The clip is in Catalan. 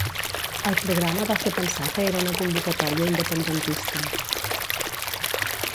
El programa va fer pensar que era una convocatòria independentista.